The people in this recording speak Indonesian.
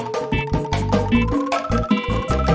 mak baru masuk